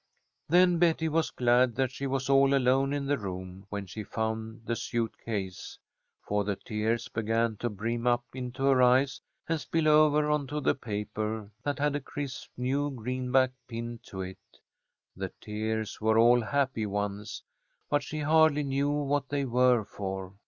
Then Betty was glad that she was all alone in the room when she found the suit case, for the tears began to brim up into her eyes and spill over on to the paper that had a crisp new greenback pinned to it. The tears were all happy ones, but she hardly knew what they were for.